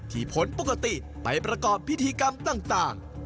ผลปกติไปประกอบพิธีกรรมต่าง